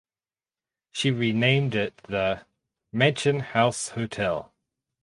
She renamed it the "Mansion House Hotel".